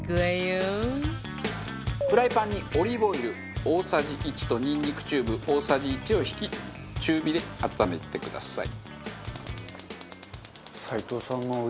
バカリズム：フライパンにオリーブオイル、大さじ１とニンニクチューブ大さじ１を引き中火で温めてください。